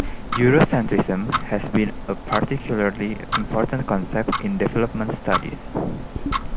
Eurocentrism has been a particularly important concept in development studies.